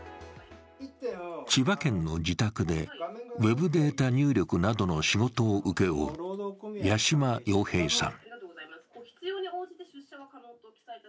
千葉県の自宅でウェブデータ入力などの仕事を請け負う八島洋平さん。